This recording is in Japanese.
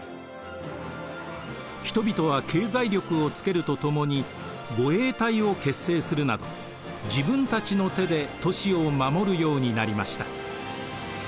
人々は経済力をつけるとともに護衛隊を結成するなど自分たちの手で都市を守るようになりました。